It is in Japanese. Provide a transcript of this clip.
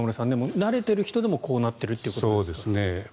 慣れている人でもこうなっているということですよね。